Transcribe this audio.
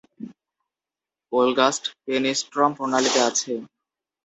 ওলগাস্ট পেনিস্ট্রম প্রণালীতে আছে.